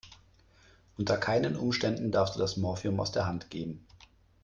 Unter keinen Umständen darfst du das Morphium aus der Hand geben.